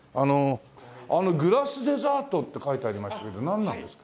あの「グラスデザート」って書いてありましたけどなんなんですか？